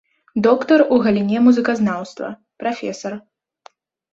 Доктар у галіне музыказнаўства, прафесар.